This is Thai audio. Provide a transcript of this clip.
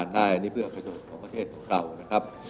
ได้อันนี้เพื่อประโยชน์ของประเทศของเรานะครับ